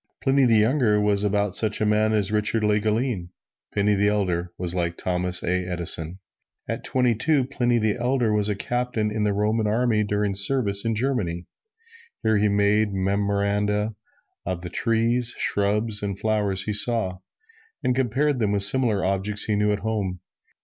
Pliny the Younger was about such a man as Richard Le Gallienne; Pliny the Elder was like Thomas A. Edison. At twenty two, Pliny the Elder was a Captain in the Roman Army doing service in Germany. Here he made memoranda of the trees, shrubs and flowers he saw, and compared them with similar objects he knew at home.